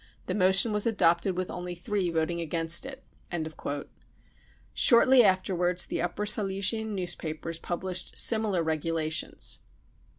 5 The motion was adopted with only three voting against it. 55 Shortly afterwards, the Upper Silesian newspapers published similar regulations.